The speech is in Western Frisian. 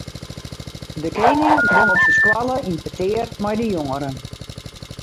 De kening gong op de skoalle yn petear mei de jongeren.